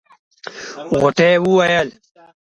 غوټۍ وويل.